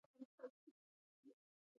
په افغانستان کې طلا شتون لري.